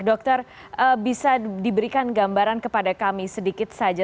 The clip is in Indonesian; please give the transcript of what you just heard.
dokter bisa diberikan gambaran kepada kami sedikit saja